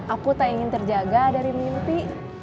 aku tak ingin terjaga dari mimpi